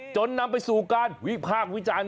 จนนำไปสู่การวิพากษ์วิจารณ์